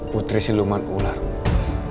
berarti dia masih hidup